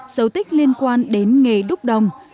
dấu tích liên quan đến nghề đúc đồng